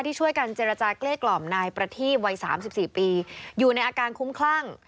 ที่ช่วยกันเจรจาเกลกกล่อมนายประทีมวัยสามสิบสี่ปีอยู่ในอาการคุ้มคลั่ง